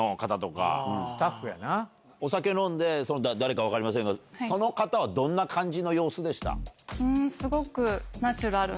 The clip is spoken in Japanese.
お酒飲んで誰か分かりませんがその方はどんな感じの様子でした？